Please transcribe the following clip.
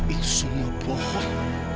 itu semua bohong